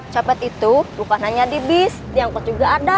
copet itu bukan hanya di bis diangkut juga ada